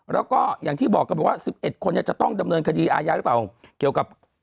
แล้วก็อย่างที่บอกกันบอกว่า๑๑คนเนี่ยจะต้องดำเนินคดีอายาหรือเปล่าเกี่ยวกับ